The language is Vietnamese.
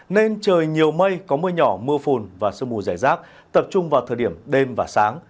nên trời nhiều mây có mưa nhỏ mưa phùn và sương mù rải rác tập trung vào thời điểm đêm và sáng